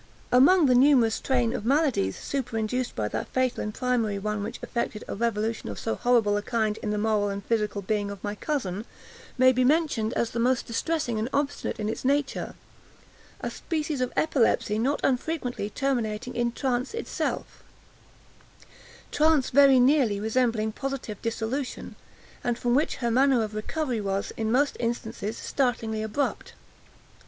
Among the numerous train of maladies superinduced by that fatal and primary one which effected a revolution of so horrible a kind in the moral and physical being of my cousin, may be mentioned as the most distressing and obstinate in its nature, a species of epilepsy not unfrequently terminating in trance itself—trance very nearly resembling positive dissolution, and from which her manner of recovery was in most instances, startlingly abrupt.